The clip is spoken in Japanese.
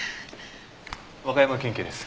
和歌山県警です。